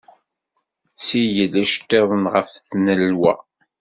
Ssigel iceḍḍiten ɣef tnelwa.